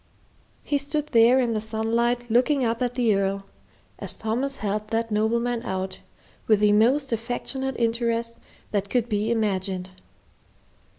He stood there in the sunlight looking up at the Earl, as Thomas helped that nobleman out, with the most affectionate interest that could be imagined.